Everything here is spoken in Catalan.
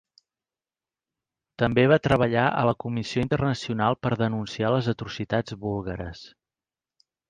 També va treballar a la Comissió Internacional per denunciar les atrocitats búlgares.